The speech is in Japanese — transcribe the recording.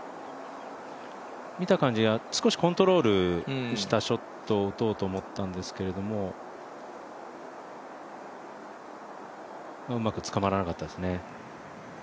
見た感じ、少しコントロールしたショットを打とうと思ったんですけれども、うまくつかまらなかったですね。